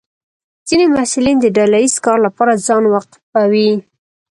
ځینې محصلین د ډله ییز کار لپاره ځان وقفوي.